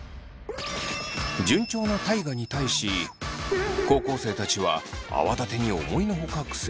順調な大我に対し高校生たちは泡立てに思いの外苦戦していました。